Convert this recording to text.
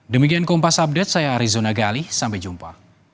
demikian kompas update saya arizonaga ali sampai jumpa